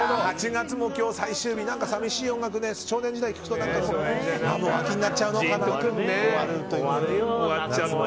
８月も今日最終日寂しい音楽「少年時代」を聴くともう秋になっちゃうのかなと。